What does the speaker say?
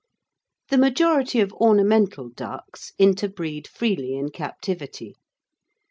The majority of ornamental ducks interbreed freely in captivity.